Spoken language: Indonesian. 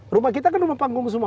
rumah kita kan rumah panggung semua